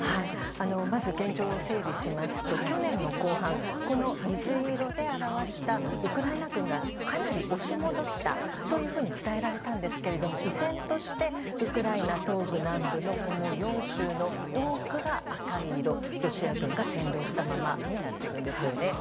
まず、現状を整理しますと去年の後半、水色で表したウクライナ軍がかなり押し戻したというふうに伝えられたんですが依然としてウクライナ東部・南部の４州の多くが赤い色、ロシア軍が占領したままになっているんです。